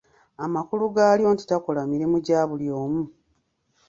Amakulu gaalyo nti takola mirimu gya buli omu.